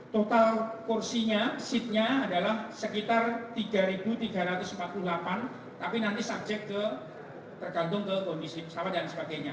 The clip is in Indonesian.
total kursinya seatnya adalah sekitar tiga tiga ratus empat puluh delapan tapi nanti subjek tergantung ke kondisi pesawat dan sebagainya